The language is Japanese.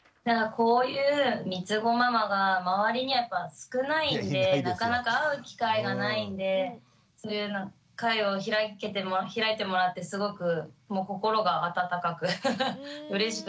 こういうみつごママが周りにやっぱ少ないんでなかなか会う機会がないんでそういうような会を開いてもらってすごくもう心が温かくうれしくなりました。